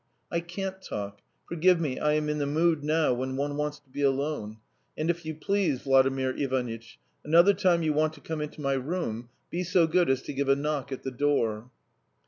"I can't talk. Forgive me, I am in the mood now when one wants to be alone. And, if you please, Vladimir Ivanitch, another time you want to come into my room, be so good as to give a knock at the door."